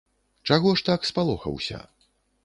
Чаго ж так спалохаўся?